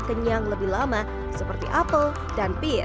kenyang lebih lama seperti apple dan pit